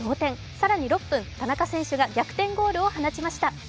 更に６分、田中選手が逆転ゴールを放ちました。